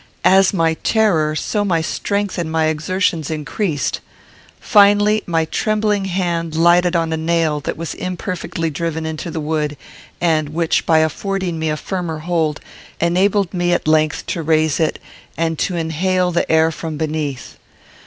As my terror, so my strength and my exertions increased. Finally my trembling hand lighted on a nail that was imperfectly driven into the wood, and which, by affording me a firmer hold, enabled me at length to raise it, and to inhale the air from beneath.